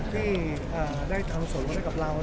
ที่กัดทางส่งได้กับเรา